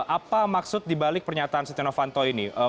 apa maksud dibalik pernyataan setia novanto ini